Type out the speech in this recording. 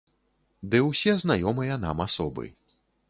Ды ўсе знаёмыя нам асобы.